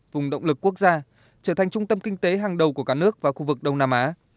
vùng động lực quốc gia trở thành trung tâm kinh tế hàng đầu của cả nước và khu vực đông nam á